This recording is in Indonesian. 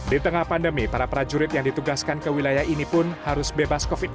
di tengah pandemi para prajurit yang ditugaskan ke wilayah ini pun harus bebas covid sembilan belas